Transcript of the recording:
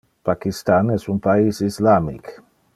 Pakistan es un pais islamic.